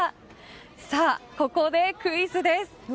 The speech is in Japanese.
さあ、ここでクイズです。